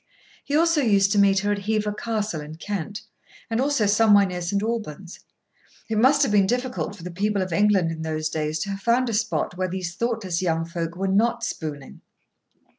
He also used to meet her at Hever Castle in Kent, and also somewhere near St. Albans. It must have been difficult for the people of England in those days to have found a spot where these thoughtless young folk were not spooning.